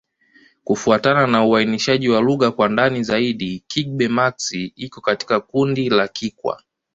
Kufuatana na uainishaji wa lugha kwa ndani zaidi, Kigbe-Maxi iko katika kundi la Kikwa.